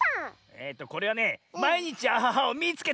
えっとこれはね「まいにちアハハをみいつけた！」。